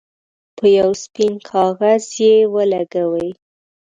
په یو سپین کاغذ یې ولګوئ.